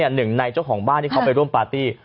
หนึ่งในเจ้าของบ้านที่เขาไปร่วมปาร์ตี้